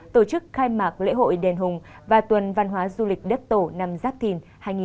tổ chức khai mạc lễ hội đền hùng và tuần văn hóa du lịch đất tổ năm giáp thìn hai nghìn hai mươi bốn